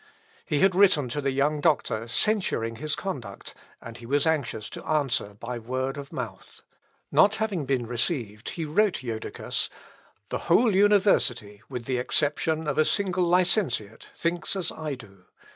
He had written to the young doctor, censuring his conduct, and he was anxious to answer by word of mouth. Not having been received, he wrote Jodocus: "The whole university, with the exception of a single licentiate, thinks as I do.